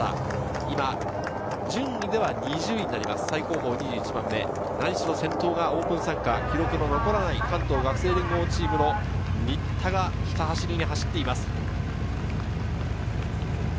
今、順位では２０人になります、最後方２１番目、先頭はオープン参加の、記録の残らない、関東学生連合チームの新田がトップをひた走っています。